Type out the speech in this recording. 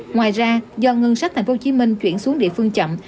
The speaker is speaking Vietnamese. ngoài ra do ngân sách tp hcm chuyển xuống địa phương chậm